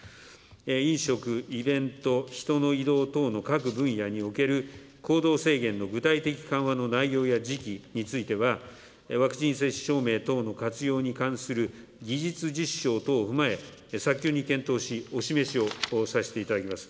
飲食、イベント、人の移動等の各分野における行動制限の具体的緩和の内容や時期については、ワクチン接種証明等の活用に関する技術実証等を踏まえ、早急に検討し、お示しをさせていただきます。